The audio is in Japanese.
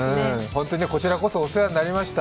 本当にこちらこそお世話になりました。